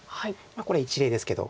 これ一例ですけど。